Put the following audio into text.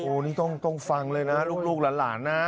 โอ้โหนี่ต้องฟังเลยนะลูกหลานนะ